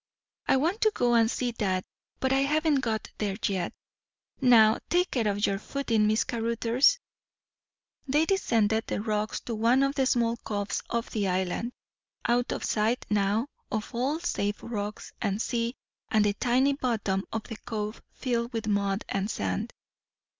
I want to go and see that, but I haven't got there yet. Now take care of your footing, Miss Caruthers " They descended the rocks to one of the small coves of the island. Out of sight now of all save rocks and sea and the tiny bottom of the cove filled with mud and sand.